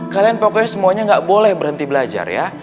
kalian pokoknya semuanya nggak boleh berhenti belajar ya